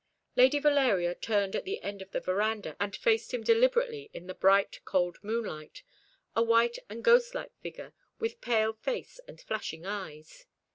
Lady Valeria turned at the end of the verandah, and faced him deliberately in the bright, cold moonlight, a white and ghostlike figure, with pale face and flashing eyes.